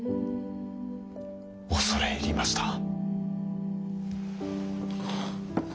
恐れ入りました。